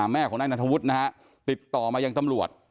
แม่ของนายนัทวุฒินะฮะติดต่อมายังตำรวจ